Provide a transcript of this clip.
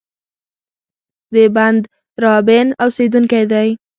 د بندرابن اوسېدونکی دی.